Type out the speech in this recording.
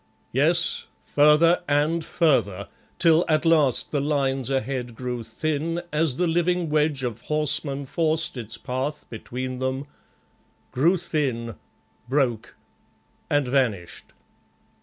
Yes, further and further, till at last the lines ahead grew thin as the living wedge of horsemen forced its path between them grew thin, broke and vanished.